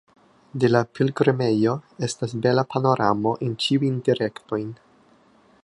De la pilgrimejo estas bela panoramo en ĉiujn direktojn.